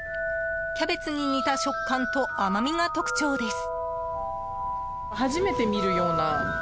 キャベツに似た食感と甘みが特徴です。